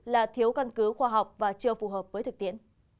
là thiếu căn cứ khoa học và chưa phù hợp với thực tiễn